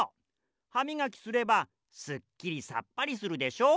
ハミガキすればすっきりさっぱりするでしょう？